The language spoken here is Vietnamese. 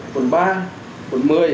một quận ba quận một mươi